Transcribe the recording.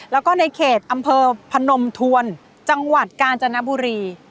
แล้วก็ในเขตอำเภอพนมทวนจังหวัดกาญจนบุรี